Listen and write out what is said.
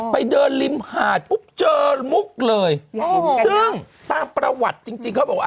ไปเดินริมหาดปุ๊บเจอมุกเลยซึ่งตามประวัติจริงจริงเขาบอกว่า